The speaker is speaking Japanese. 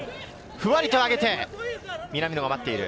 ふわりと上げて、南野が待っている。